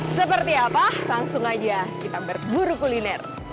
seperti apa langsung aja kita berburu kuliner